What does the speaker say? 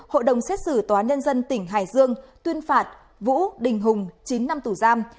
hội đồng xét xử tòa nhân dân tỉnh hải dương tuyên phạt vũ đình hùng chín năm tù giam